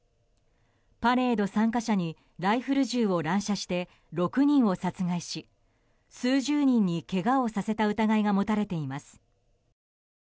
パレード参加者にライフル銃を乱射して６人を殺害し数十人にけがをさせた疑いが持たれています。